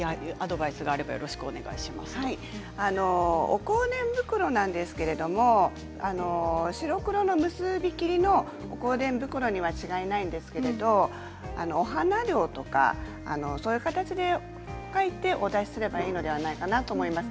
お香典袋なんですけれど白黒の結び切りのお香典袋には違いないんですけれどお花料とかそういう形で書いてお渡しすればいいのではないかと思います。